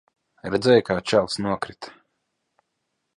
Redzēji, kā čalis nokrita?